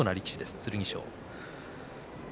剣翔。